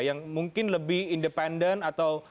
yang mungkin lebih independen atau